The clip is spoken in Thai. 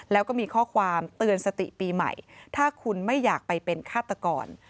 แล้วก็มีข้อความเตือนสติปีใหม่ถ้าคุณไม่อยากไปเป็นฆาตกร